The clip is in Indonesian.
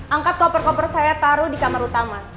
angkat koper koper saya taruh di kamar utama